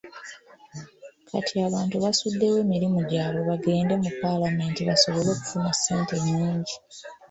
Kati abantu basuddewo emirimu gyabwe bagende mu Paalamenti basobole okufuna ssente ennyingi.